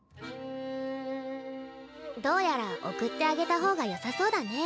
どうやら送ってあげた方がよさそうだね。